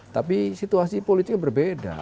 tapi situasi politiknya berbeda